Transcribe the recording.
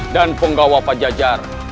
dan penggawa pajajar